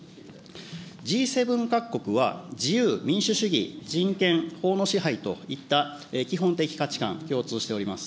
Ｇ７各国は、自由民主主義、人権、法の支配といった基本的価値観、共通しております。